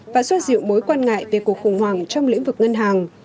và xoa dịu mối quan ngại về cuộc khủng hoảng trong lĩnh vực ngân hàng